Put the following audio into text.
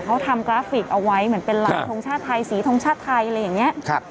เขาทำกราฟิกเอาไว้เหมือนเป็นลายทรงชาติไทยสีทงชาติไทยอะไรอย่างนี้